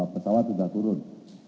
pesawat sudah turun